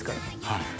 はい。